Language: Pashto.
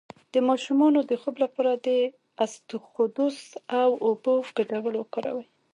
د ماشوم د خوب لپاره د اسطوخودوس او اوبو ګډول وکاروئ